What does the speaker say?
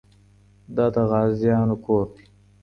دا د غازيانو کور دی.